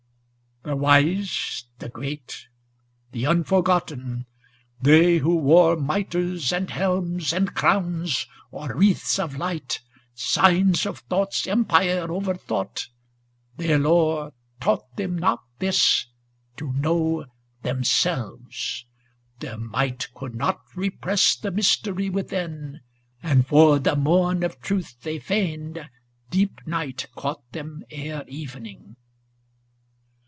*The wise, * The great, the unforgotten, ŌĆö they who wore Mitres and helms and crowns, or wreaths of light, 210 Signs of thought's empire over thought; their lore ' Taught them not this, to know themselves; their might Could not repress the mystery within, And, for the morn of truth they feigned, deep night * Caught them ere evening.'